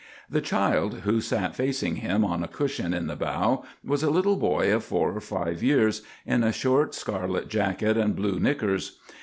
The child who sat facing him on a cushion in the bow was a little boy of four or five years, in a short scarlet jacket and blue knickers.